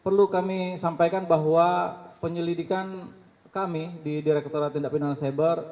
perlu kami sampaikan bahwa penyelidikan kami di direkturat tindak pindahan cyber